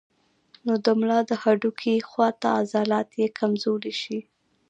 نو د ملا د هډوکي خواته عضلات ئې کمزوري شي